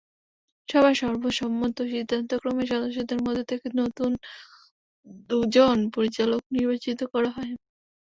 সভায় সর্বসম্মত সিদ্ধান্তক্রমে সদস্যদের মধ্য থেকে নতুন দুজন পরিচালক নির্বাচিত করা হয়।